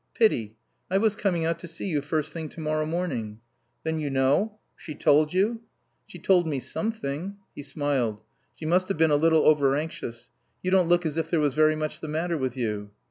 "Pity. I was coming out to see you first thing tomorrow morning." "Then you know? She told you?" "She told me something." He smiled. "She must have been a little overanxious. You don't look as if there was very much the matter with you."